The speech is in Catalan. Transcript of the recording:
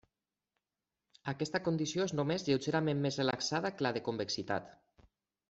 Aquesta condició és només lleugerament més relaxada que la de convexitat.